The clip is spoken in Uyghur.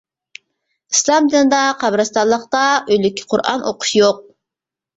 ئىسلام دىنىدا قەبرىستانلىقتا ئۆلۈككە قۇرئان ئوقۇش يوق!